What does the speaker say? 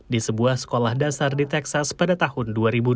di sebuah sekolah dasar di texas pada tahun dua ribu dua